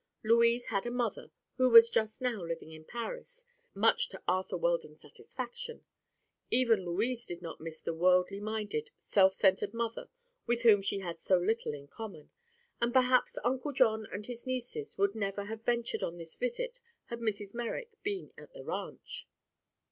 Louise had a mother, who was just now living in Paris, much to Arthur Weldon's satisfaction. Even Louise did not miss the worldly minded, self centered mother with whom she had so little in common, and perhaps Uncle John and his nieces would never have ventured on this visit had Mrs. Merrick been at the ranch.